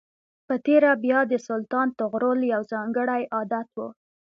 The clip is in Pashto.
په تېره بیا د سلطان طغرل یو ځانګړی عادت و.